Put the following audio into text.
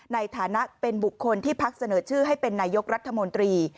ในฐานะเป็นบุคคลที่พักเสนอชื่อให้เป็นนายกรัฐมนตรี